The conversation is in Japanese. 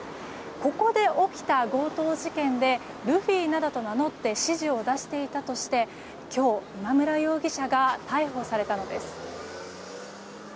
ここで起きた強盗事件でルフィなどと名乗って指示を出していたとして今日、今村容疑者が逮捕されたのです。